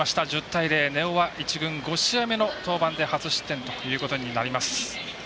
１０対０、根尾は１軍、５試合目の登板で初失点ということになります。